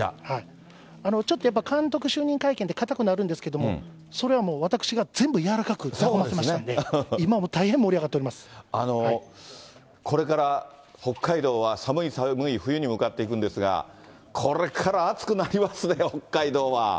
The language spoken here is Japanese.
ちょっとやっぱ、監督就任会見って硬くなるんですけども、それはもう私が全部軟らかく和ませましたので、今はもう大変盛りこれから北海道は寒い寒い冬に向かっていくんですが、これから熱くなりますね、北海道は。